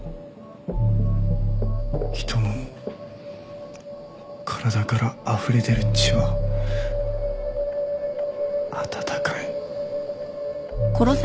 人の体からあふれ出る血は温かい。